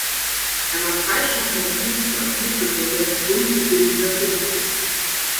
Er war freischaffender Künstler und Mitbegründer des Bundes Bildender Künste.